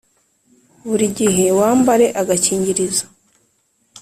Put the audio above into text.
buri gihe wambare agakingirizo.